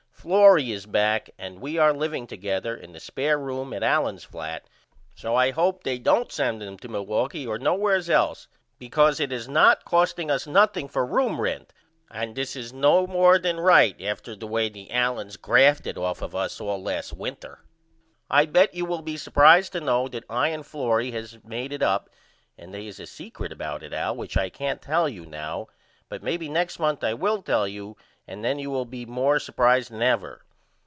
Florrie is back and we are living together in the spair room at Allen's flat so I hope they don't send him to Milwaukee or nowheres else because it is not costing us nothing for room rent and this is no more than right after the way the Allens grafted off of us all last winter. I bet you will be supprised to know that I and Florrie has made it up and they is a secret about it Al which I can't tell you now but maybe next month I will tell you and then you will be more supprised than ever.